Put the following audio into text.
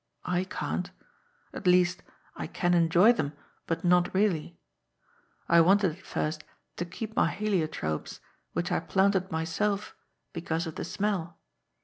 I can't. At least, I can enjoy them, but not really. I wanted, at first, to keep my heliotropes, which I planted myself, because of the smell.